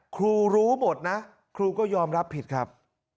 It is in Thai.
ครูรู้หมดนะครูก็ยอมรับผิดครับ